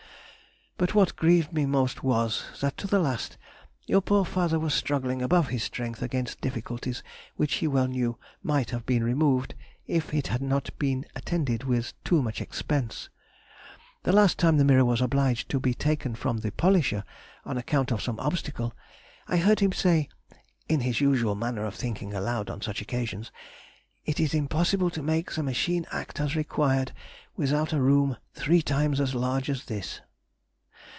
But what grieved me most was, that to the last, your poor father was struggling above his strength against difficulties which he well knew might have been removed, if it had not been attended with too much expense. The last time the mirror was obliged to be taken from the polisher on account of some obstacle, I heard him say (in his usual manner of thinking aloud on such occasions), "It is impossible to make the machine act as required without a room three times as large as this."